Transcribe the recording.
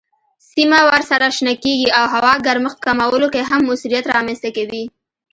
سیمه ورسره شنه کیږي او هوا ګرمښت کمولو کې هم موثریت رامنځ کوي.